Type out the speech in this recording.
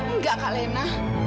enggak kak lena